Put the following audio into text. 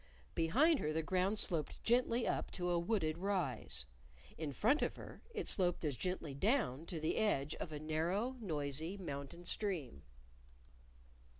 Behind her the ground sloped gently up to a wooded rise; in front of her it sloped as gently down to the edge of a narrow, noisy mountain stream.